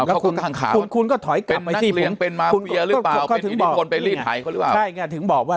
แล้วคุณก็ถอยกลับมาสิคุณก็ถึงบอกว่า